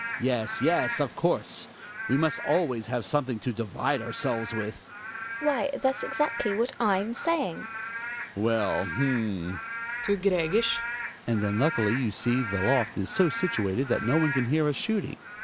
Yes, yes, of course, we must always have something to divide ourselves with. GiNA. Why that's exactly what /'m saying. Hjalmar. Well, h'm ! (To Gregers.) And then luckily you see the loft is so situated that no one can hear us shooting.